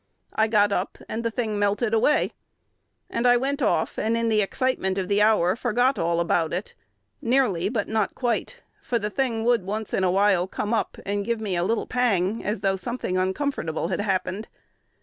I got up, and the thing melted away; and I went off, and in the excitement of the hour forgot all about it, nearly, but not quite, for the thing would once in a while come up, and give me a little pang, as though something uncomfortable had happened.